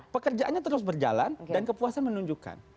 pekerjaannya terus berjalan dan kepuasan menunjukkan